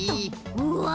うわ！